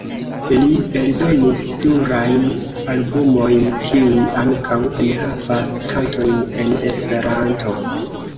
Li eldonis plurajn albumojn kiuj ankaŭ enhavas kantojn en Esperanto.